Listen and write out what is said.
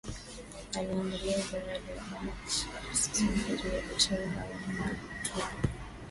Aliendeleza yale ya Barghash hususan kuzuia biashara haramu ya utumwa